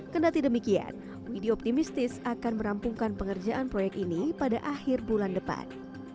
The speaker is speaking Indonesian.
kena tidak demikian widi optimistis akan merampungkan pengerjaan proyek ini pada akhir bulan depan